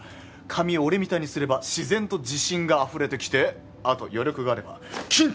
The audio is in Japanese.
髪を俺みたいにすれば自然と自信があふれてきてあと余力があれば筋トレをして。